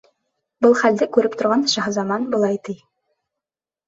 Был хәлде күреп торған Шаһзаман былай ти: